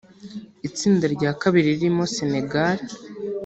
Itsinda rya kabiri ririmo Senegal